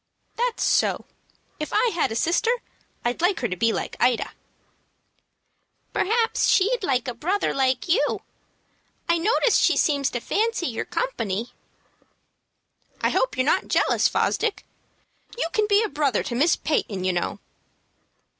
"That's so. If I had a sister I'd like her to be like Ida." "Perhaps she'd like a brother like you. I notice she seems to fancy your company." "I hope you're not jealous, Fosdick. You can be a brother to Miss Peyton, you know."